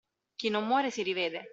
Chi non muore si rivede.